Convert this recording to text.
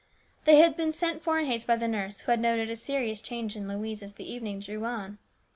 They had been sent for in haste by the nurse, who had noted a serious change in Louise as the evening drew on.